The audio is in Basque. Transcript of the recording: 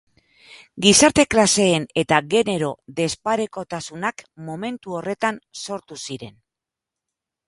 Gizarte klaseen eta genero-desparekotasunak momentu horretan sortu ziren.